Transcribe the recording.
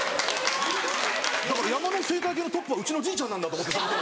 だから山の生態系のトップはうちのじいちゃんなんだと思って。